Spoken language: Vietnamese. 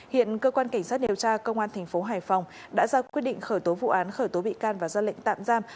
hiện cơ quan cảnh sát điều tra công an thành phố hải phòng đã ra quyết định khởi tố vụ án khởi tố bị can và ra lệnh tạm giam